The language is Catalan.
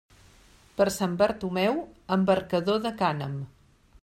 Per Sant Bartomeu, embarcador de cànem.